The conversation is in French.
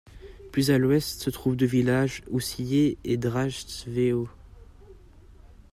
Plus à l'est se trouvent deux villages, Oussyé et Dratchevo.